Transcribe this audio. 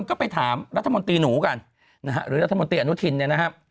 คนก็ไปถามรัฐมนตรีหนูกันหรือรัฐมนตรีอนุทินนะครับ